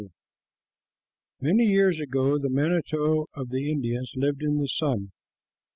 Many years ago the manito of the Indians lived in the sun.